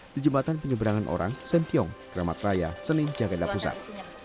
di jembatan penyeberangan orang sentiong keramat raya senin jakarta pusat